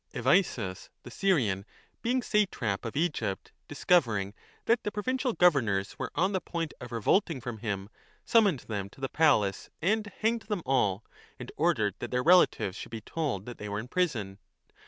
Evaeses, the Syrian, being satrap of Egypt, dis covering that the provincial governors were on the point of 10 revolting from him, summoned them to the palace and hanged them all, and ordered that their relatives should be told that they were in prison.